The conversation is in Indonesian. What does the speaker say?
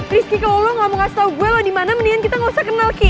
rizky kalau lo gak mau ngasih tau gue loh dimana mendingan kita gak usah kenal ki